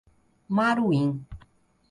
Maruim